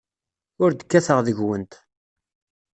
Ur d-kkateɣ deg-went.